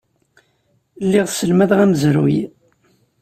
Lliɣ sselmadeɣ amezruy.